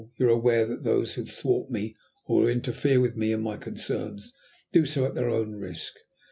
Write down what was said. You are aware that those who thwart me, or who interfere with me and my concerns, do so at their own risk.